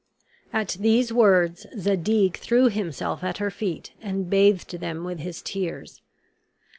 At these words Zadig threw himself at her feet and bathed them with his tears.